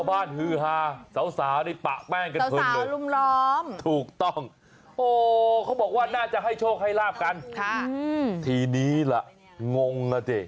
ว่าน่าจะให้โชคให้ราบกันค่ะอืมทีนี้ล่ะงงน่ะเจ๊